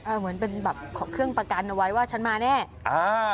เหมือนเป็นแบบเครื่องประกันเอาไว้ว่าฉันมาแน่อ่า